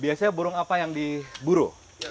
biasanya burung apa yang diburu